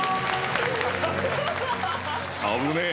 危ねえ！